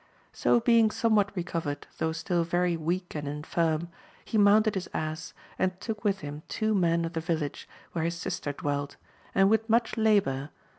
So being somewhat h recovered, though still very weak and infirm, he 1^ mounted his ass, and took with him two men of the rillage where his sister dwelt, and with much labour 202 AMADIS OF GAUL.